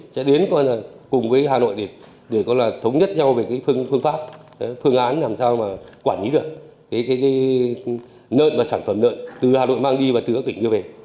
sẽ đến cùng với hà nội để thống nhất nhau về phương pháp phương án làm sao quản lý được nợn và sản phẩm nợn từ hà nội mang đi và từ các tỉnh đưa về